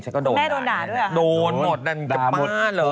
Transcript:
นายโดนด่าด้วยอ้ะครับโดนหมดอ่ะป๊าหรือ